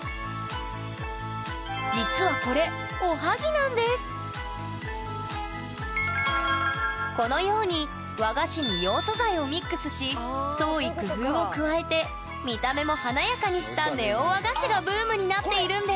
実はこれこのように和菓子に創意工夫を加えて見た目も華やかにしたネオ和菓子がブームになっているんです！